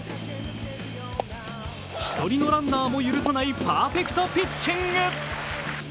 １人のランナーも許さないパーフェクトピッチング。